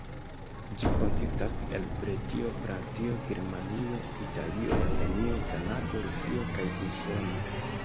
Ĝi konsistas el Britio, Francio, Germanio, Italio, Japanio, Kanado, Rusio kaj Usono.